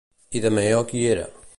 I Dameó qui era?